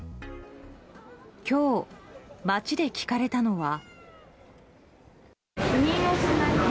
今日、街で聞かれたのは。